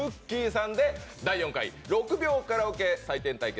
さんで第４回６秒カラオケ採点対決